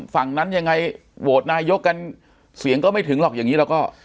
ฝั่งนั้นยังไงโหวตนายกกันเสียงก็ไม่ถึงหรอกอย่างนี้เราก็